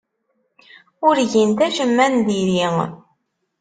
Ur gint acemma n diri.